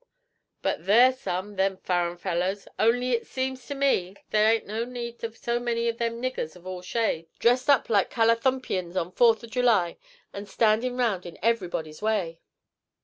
but they're some, them furren fellers; only it seems to me they ain't no need of so many of them niggers of all shades, dressed up like Callathumpians on Fourth of July, and standin' round in everybody's way.'